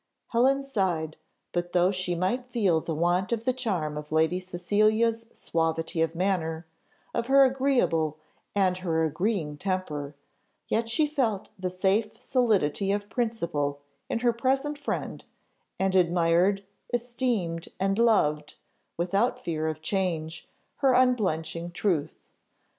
Helen sighed, but though she might feel the want of the charm of Lady Cecilia's suavity of manner, of her agreeable, and her agreeing temper, yet she felt the safe solidity of principle in her present friend, and admired, esteemed, and loved, without fear of change, her unblenching truth.